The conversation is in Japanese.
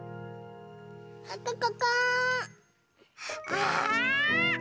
あ！